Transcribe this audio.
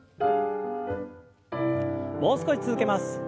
もう少し続けます。